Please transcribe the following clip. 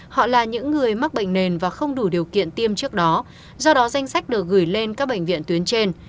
họ là những người mắc bệnh nền và không đủ điều kiện tiêm trước đó do đó danh sách được gửi lên các bệnh viện tuyến trên